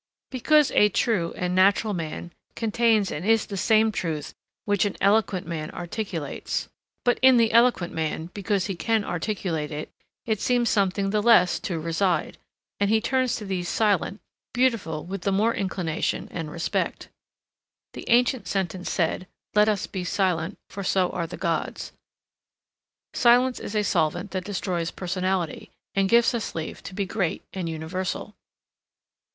Because a true and natural man contains and is the same truth which an eloquent man articulates; but in the eloquent man, because he can articulate it, it seems something the less to reside, and he turns to these silent beautiful with the more inclination and respect. The ancient sentence said, Let us be silent, for so are the gods. Silence is a solvent that destroys personality, and gives us leave to be great and universal.